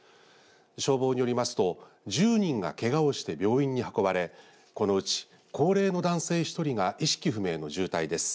消防によりますと１０人がけがをして病院に運ばれこのうち高齢の男性１人が意識不明の重体です。